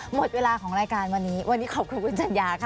หมดเวลาของรายการวันนี้วันนี้ขอบคุณคุณจัญญาค่ะ